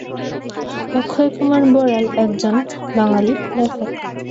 অক্ষয়কুমার বড়াল একজন বাঙালি লেখক।